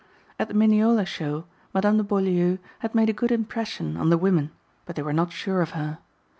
At the Mineola Show Madame de Beaulieu had made a good impression on the women but they were not sure of her.